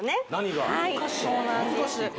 はいそうなんです